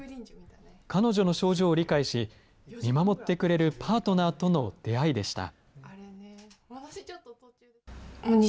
彼女の症状を理解し、見守ってくれるパートナーとの出会いでした。